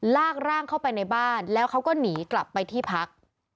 ลากร่างเข้าไปในบ้านแล้วเขาก็หนีกลับไปที่พัก